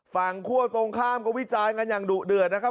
คั่วตรงข้ามก็วิจารณ์กันอย่างดุเดือดนะครับ